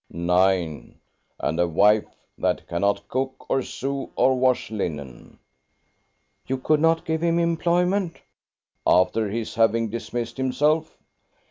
"Nine; and a wife that cannot cook or sew or wash linen." "You could not give him employment?" "After his having dismissed himself?"